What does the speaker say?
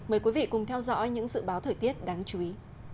mời quý vị cùng theo dõi những dự báo thời tiết đáng chú ý